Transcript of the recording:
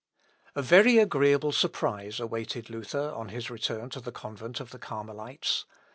A very agreeable surprise awaited Luther on his return to the convent of the Carmelites.